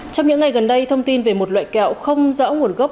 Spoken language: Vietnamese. trong những ngày gần đây thông tin về một loại kẹo không rõ nguồn gốc